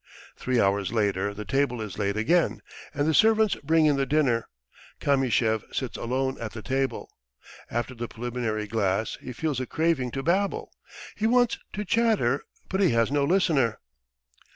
Three hours later the table is laid again, and the servants bring in the dinner. Kamyshev sits alone at the table. After the preliminary glass he feels a craving to babble. He wants to chatter, but he has no listener.